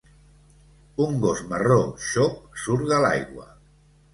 Un gos marró xop surt de l'aigua.